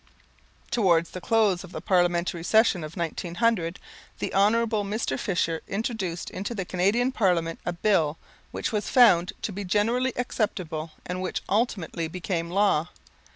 Towards the close of the Parliamentary session of 1900, the Honourable Mr. Fisher introduced into the Canadian Parliament a Bill which was found to be generally acceptable and which ultimately became law.